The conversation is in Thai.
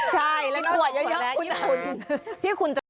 ใช่แล้วก็ถั่วแล้วญี่ปุ่น